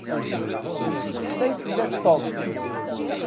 Yesteqsay fell-as Tom.